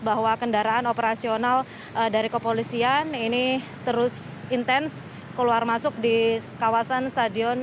bahwa kendaraan operasional dari kepolisian ini terus intens keluar masuk di kawasan stadion